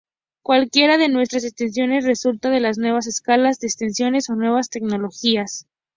Cualquiera de nuestras extensiones resulta de las nuevas escalas de extensiones o nuevas tecnologías.